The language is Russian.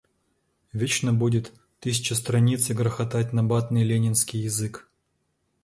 Вечно будет тысячестраницый грохотать набатный ленинский язык.